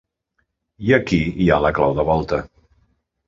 I aquí hi ha la clau de volta.